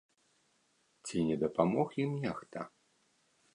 Ці не дапамог ім нехта?